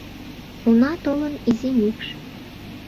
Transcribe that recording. Уна толын изи мӱкш